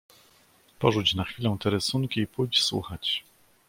"porzuć na chwilę te rysunki i pójdź słuchać."